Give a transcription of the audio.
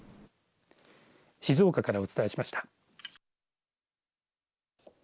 静岡からお伝えしました。